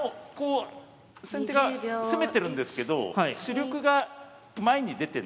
先手が攻めてるんですけど主力が前に出てないので。